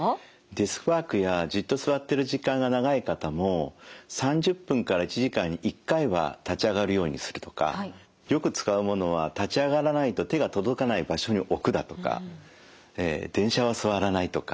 デスクワークやじっと座ってる時間が長い方も３０分から１時間に１回は立ち上がるようにするとかよく使うものは立ち上がらないと手が届かない場所に置くだとか電車は座らないとか